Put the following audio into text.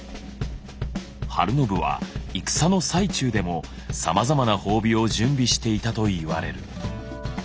晴信は戦の最中でもさまざまな褒美を準備していたと言われる。